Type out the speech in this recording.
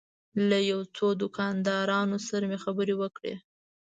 له یو څو دوکاندارانو سره مې خبرې وکړې.